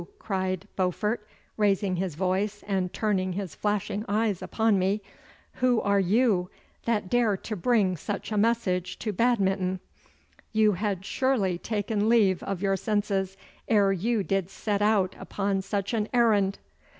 cried Beaufort, raising his voice and turning his flashing eyes upon me; 'who are you that dare to bring such a message to Badminton? You had surely taken leave of your senses ere you did set out upon such an errand!